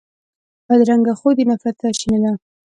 بدرنګه خوی د نفرت سرچینه ده